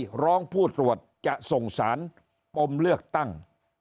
ร้องผู้ตรวจจะส่งสารปมเลือกตั้ง